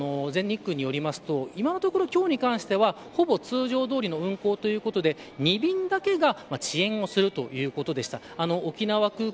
今回、全日空によりますと今のところ今日に関してはほぼ通常どおりの運航ということで２便だけが遅延をするということでした。